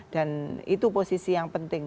dan itu posisi yang penting